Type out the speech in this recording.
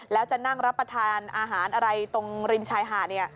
แล้วจะนั่งรับประทานอาหารอะไรตรงริมชายหาด